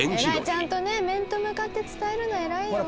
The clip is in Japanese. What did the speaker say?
ちゃんとね面と向かって伝えるの偉いよ。